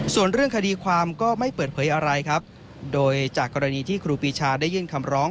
ส่วนเรื่องคดีความก็ไม่เปิดเผยอะไรครับโดยจากกรณีที่ครูปีชาได้ยื่นคำร้อง